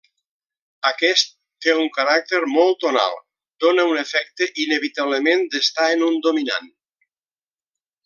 Aquest té un caràcter molt tonal: dóna un efecte inevitablement d'estar en un dominant.